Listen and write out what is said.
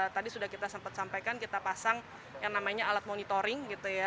tadi sudah kita sempat sampaikan kita pasang yang namanya alat monitoring gitu ya